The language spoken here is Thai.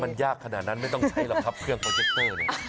มันยากขนาดนั้นไม่ต้องใช้หรอกครับเครื่องโปรเจคเตอร์เนี่ย